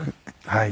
はい。